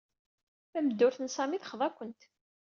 Tameddurt n Sami texḍa-kent.